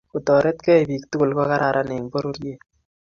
kotoretkei bik tugul ko kararan eng pororiet